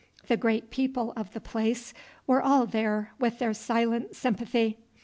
The great people of the place were all there with their silent sympathy.